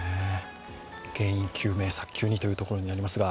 原因究明、早急にということになりますが。